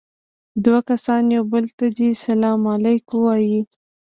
دوه کسان يو بل ته دې سلام عليکم ووايي.